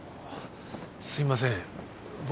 すいません僕は。